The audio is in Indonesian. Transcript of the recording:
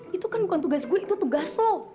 itu kan bukan tugas gue itu tugas lo